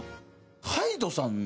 ＨＹＤＥさんの。